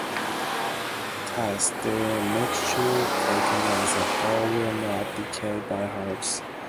Thus, the mixture taken as a whole will not decay by halves.